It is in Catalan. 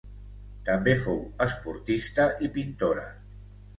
També fou esportista i pintora.